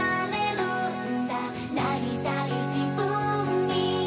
「なりたい自分に」